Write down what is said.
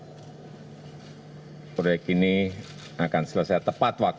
ini artinya n multipowere syntax kebolehan dan sekarang sunny s harang lebih collectable terhadap